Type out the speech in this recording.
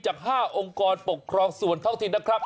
จาก๕องค์กรปกครองส่วนท้องถิ่นนะครับ